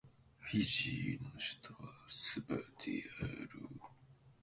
フィジーの首都はスバである